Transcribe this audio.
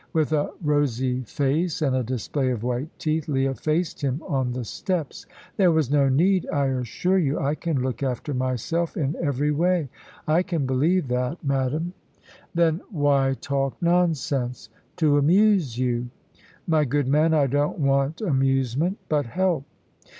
With a rosy face and a display of white teeth, Leah faced him on the steps. "There was no need, I assure you. I can look after myself in every way." "I can believe that, madame." "Then why talk nonsense?" "To amuse you." "My good man, I don't want amusement, but help."